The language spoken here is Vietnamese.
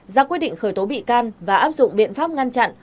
ra quyết định khởi tố bị can và áp dụng biện pháp ngăn chặn